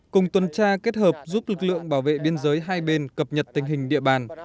cùng tuần tra kết hợp giúp lực lượng bảo vệ biên giới hai bên cập nhật tình hình địa bàn